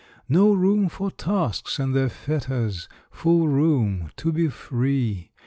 No room for tasks and their fetters: Full room to be free.